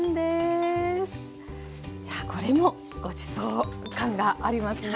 これもごちそう感がありますね。